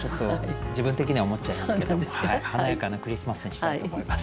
自分的には思っちゃいますけど華やかなクリスマスにしたいと思います。